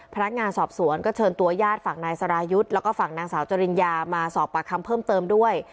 พนักงานสอบสวนก็เชิญตัวญาติฝั่งนายสรายุทธ์แล้วก็ฝั่งนางสาวจริญญามาสอบปากคำเพิ่มเติมด้วย